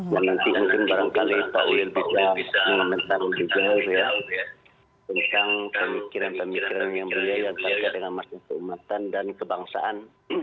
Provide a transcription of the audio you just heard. ya nanti mungkin barangkali pak ulil bisa mengetahui juga ya tentang pemikiran pemikiran yang buya yang terkait dengan masyarakat keumatan dan kebangsaan